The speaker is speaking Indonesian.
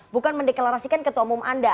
bukan mendeklarasikan ketua umum anda